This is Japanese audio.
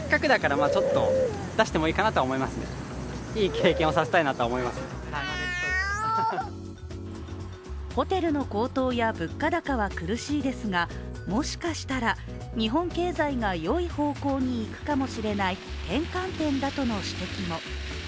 街の人はホテルの高騰や物価高は苦しいですがもしかしたら、日本経済が良い方向に行くかもしれない転換点だとの指摘も。